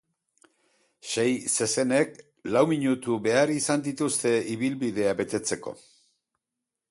Sei zezenek lau minutu behar izan dituzte ibilbidea betetzeko.